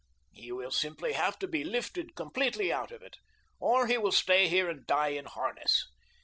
"He will simply have to be lifted completely out of it, or he will stay here and die in the harness.